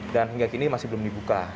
dan hingga kini masih belum dibuka